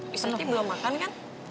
bikin surti belum makan kan